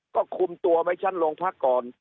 ก็คุมตัวไว้ชั้นโรงพักก่อน